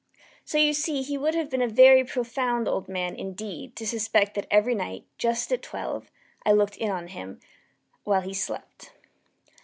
So you see he would have been a very profound old man, indeed, to suspect that every night, just at twelve, I looked in upon him while he slept.